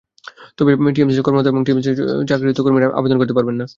তবে টিএমএসএসে কর্মরত এবং টিএমএসএস কর্তৃক চাকরিচ্যুত কর্মীরা আবেদন করতে পারবেন না।